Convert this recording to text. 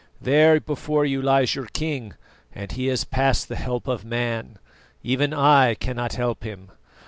There before you lies your king, and he is past the help of man; even I cannot help him.